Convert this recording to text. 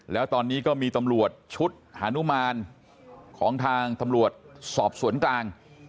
แล้วตอนนี้ก็มีตำรวจชุดฮานุมานของทางตำรวจสอบสวนกลาง